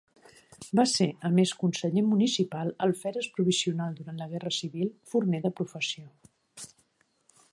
Va ser a més conseller municipal, alferes provisional durant la Guerra Civil, forner de professió.